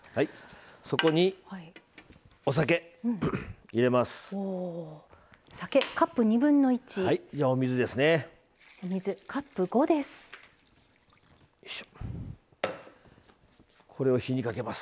そこにお酒入れます。